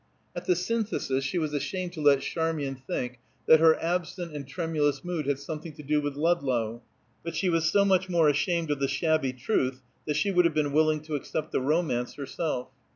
At the Synthesis she was ashamed to let Charmian think that her absent and tremulous mood had something to do with Ludlow; but she was so much more ashamed of the shabby truth that she would have been willing to accept the romance herself.